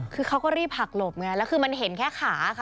คือเขาก็รีบหักหลบไงแล้วคือมันเห็นแค่ขาค่ะ